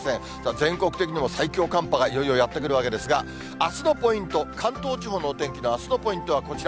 全国的にも最強寒波がいよいよやって来るわけですが、あすのポイント、関東地方のお天気のあすのポイントはこちら。